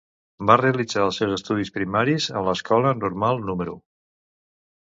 Va realitzar els seus estudis primaris en l'Escola Normal número .